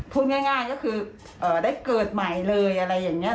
พูดง่ายก็คือได้เกิดใหม่เลยอะไรอย่างนี้